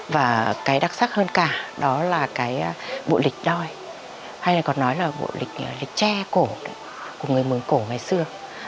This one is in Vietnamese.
và cái đặc sắc hơn cả đó là cái bộ lịch đòi hay còn nói là bộ lịch che cổ của người mường cổ ngày xưa